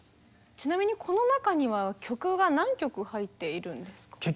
ちなみにこの中には曲が何曲入っているんですか？